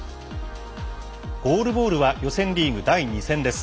ゴールボールは予選リーグ第２戦です。